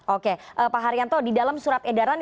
oke pak haryanto di dalam surat edaran